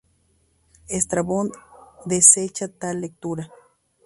Estrabón desecha tal lectura.